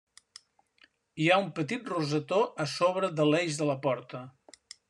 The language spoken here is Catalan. Hi ha un petit rosetó a sobre de l'eix de la porta.